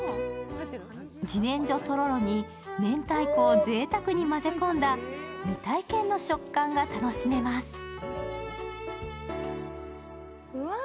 じねんじょとろろにめんたいこをぜいたくに混ぜ込んだ未体験の食感が楽しめます。